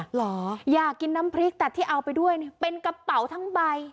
เหรออยากกินน้ำพริกแต่ที่เอาไปด้วยเนี่ยเป็นกระเป๋าทั้งใบ